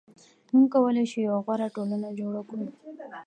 موږ کولای شو یوه غوره ټولنه جوړه کړو.